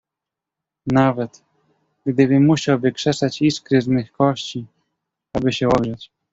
"Nawet, gdybym musiał wykrzesać iskry z mych kości, aby się ogrzać."